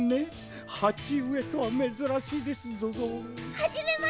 はじめまして。